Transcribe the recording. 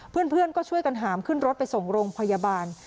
เพื่อนก็ช่วยกันหามขึ้นรถไปส่งโรงพยาบาล